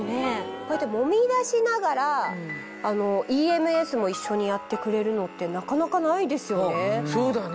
こうやってもみ出しながらＥＭＳも一緒にやってくれるのってなかなかないですよね。